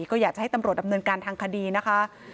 ก็อยากจะให้ตำรวจดำเนินการทางคดีนะคะ